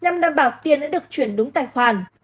nhằm đảm bảo tiền đã được chuyển đúng tài khoản